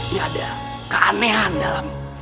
nggak ada keanehan dalam